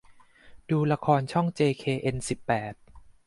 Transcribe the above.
ดูละครช่องเจเคเอ็นสิบแปด